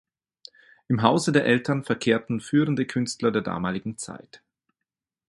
Im Hause der Eltern verkehrten führende Künstler der damaligen Zeit.